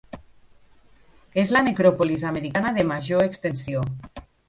És la necròpolis americana de major extensió.